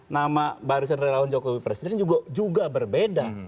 nama barisan relawan jokowi presiden juga berbeda